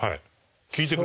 聞いてくれてる。